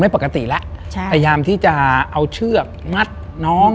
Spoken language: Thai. ปกติแล้วใช่พยายามที่จะเอาเชือกมัดน้อง